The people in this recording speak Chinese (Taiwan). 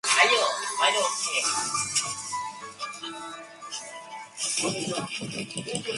有人叫外送嗎